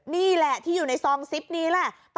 นี่แหละที่อยู่ในซองซิปนี้แหละ